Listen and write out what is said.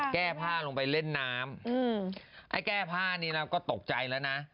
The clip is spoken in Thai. แก้ผ้าลงไปเล่นน้ำไอ้แก้ผ้านี้เราก็ตกใจแล้วนะ